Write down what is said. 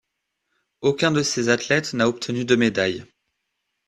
Aucun de ses athlètes n'a obtenu de médaille.